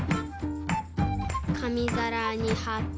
かみざらにはって。